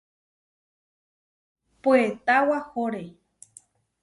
Puetá wahóre.